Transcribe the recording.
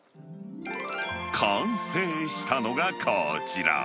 完成したのがこちら。